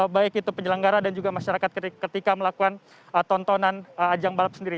baik itu penyelenggara dan juga masyarakat ketika melakukan tontonan ajang balap sendiri